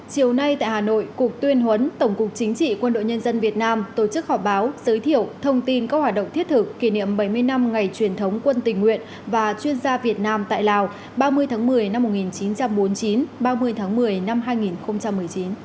chiều nay tại hà nội cục tuyên huấn tổng cục chính trị quân đội nhân dân việt nam tổ chức họp báo giới thiệu thông tin các hoạt động thiết thực kỷ niệm bảy mươi năm ngày truyền thống quân tình nguyện và chuyên gia việt nam tại lào ba mươi tháng một mươi năm một nghìn chín trăm bốn mươi chín ba mươi tháng một mươi năm hai nghìn một mươi chín